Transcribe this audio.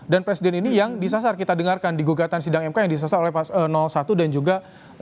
dan presiden ini yang disasar kita dengarkan di gugatan sidang mk yang disasar oleh pas satu dan juga tiga